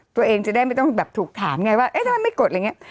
ตัวเองจะได้ไม่ต้องแบบถูกถามไงว่าเอ๊ะทำไมไม่กดอะไรอย่างนี้